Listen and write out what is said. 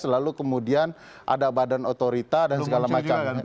lalu kemudian ada badan otorita dan segala macam